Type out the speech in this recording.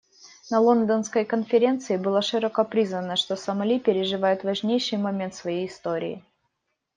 На Лондонской конференции было широко признано, что Сомали переживает важнейший момент в своей истории.